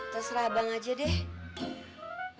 terserah abang aja deh